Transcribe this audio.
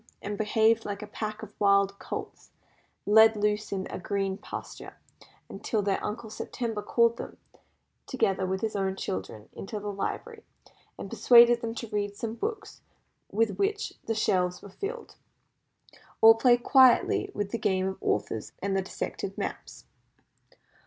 and behaved like a pack of wild colts let loose in a green pasture, until their Uncle September called them, together with his own children, into the library, and persuaded them to read some of the books with which the shelves were filled, or play quietly with the game of Authors and the Dissected Maps.